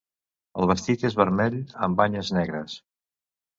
El vestit és vermell, amb banyes negres.